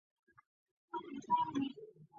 但麦克并未给予他侄子奖学金。